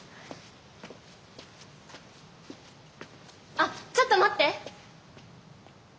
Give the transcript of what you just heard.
あっちょっと待って。